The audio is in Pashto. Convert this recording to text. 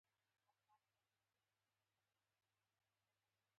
هم روښانه او ښکلي رنګونه په کې شته.